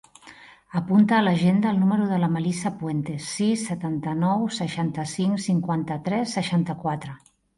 Apunta a l'agenda el número de la Melissa Puentes: sis, setanta-nou, seixanta-cinc, cinquanta-tres, seixanta-quatre.